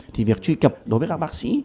thì việc truy cập đối với các bác sĩ